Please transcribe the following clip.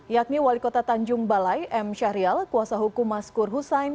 yakni wali kota tanjung balai m syahrial kuasa hukum maskur hussein